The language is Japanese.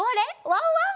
ワンワン！